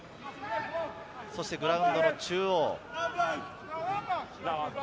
そしてグラウンドの中央。